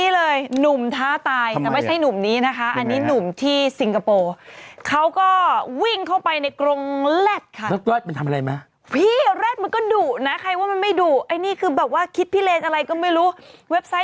เพราะจะเป็นสายเลือดเดียวกัน